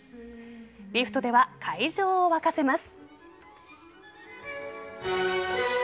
リフトでは会場を沸かせます。